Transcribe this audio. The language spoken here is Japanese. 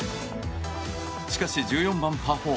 しかし１４番、パー４。